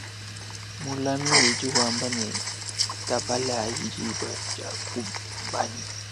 Mulami udi wamba ne tabalayi diba diakumbanyi.